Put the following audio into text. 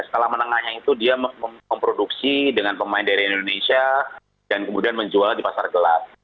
skala menengahnya itu dia memproduksi dengan pemain dari indonesia dan kemudian menjualnya di pasar gelas